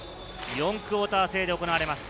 ４クオーター制で行われます。